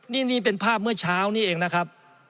นี่เป็นภาพเมื่อเช้านี้เองนะครับ